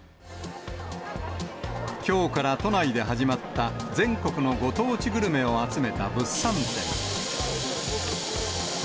きょうから都内で始まった全国のご当地グルメを集めた物産展。